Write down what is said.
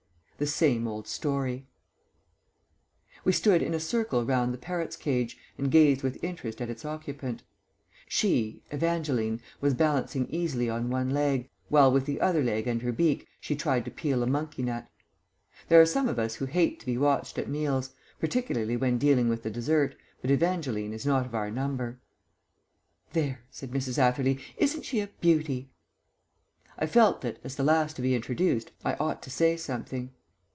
THE SAME OLD STORY We stood in a circle round the parrot's cage and gazed with interest at its occupant. She (Evangeline) was balancing easily on one leg, while with the other leg and her beak she tried to peel a monkey nut. There are some of us who hate to be watched at meals, particularly when dealing with the dessert, but Evangeline is not of our number. "There," said Mrs. Atherley, "isn't she a beauty?" I felt that, as the last to be introduced, I ought to say something.